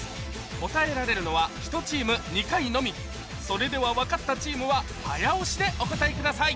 答えられるのは１チーム２回のみそれでは分かったチームは早押しでお答えください